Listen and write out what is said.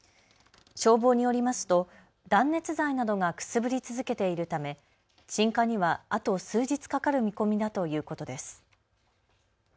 消防によりますと断熱材などがくすぶり続けているため鎮火にはあと数日かかる見込みだということです。